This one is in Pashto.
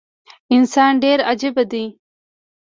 انسان ډیر عجیبه دي